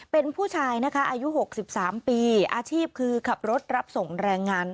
เป็นผู้ชายนะคะอายุ๖๓ปีอาชีพคือขับรถรับส่งแรงงาน